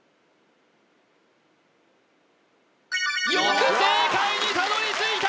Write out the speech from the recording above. よく正解にたどり着いた！